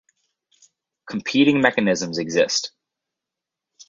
Competing mechanisms exist.